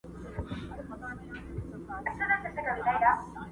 دوی داسې احساس کوي لکه په نوې نړۍ کي چي ژوند پيلوي